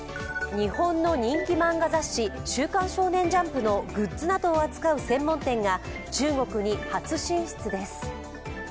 日本の人気漫画雑誌、「週刊少年ジャンプ」のグッズなどを扱う専門店が中国に初進出です。